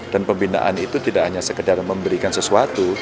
dan pembinaan itu tidak hanya sekedar memberikan sesuatu